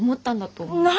何！？